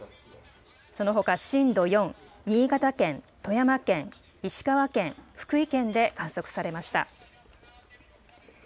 そのほか震度４、新潟県、富山県、石川県、福井県で観測されました。